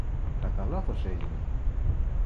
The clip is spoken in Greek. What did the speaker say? Κατά λάθος έγινε.